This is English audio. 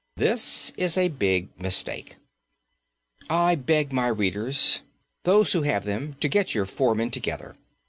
This is a big mistake. I beg my readers those who have them to get your foremen together.